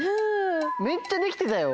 めっちゃできてたよ。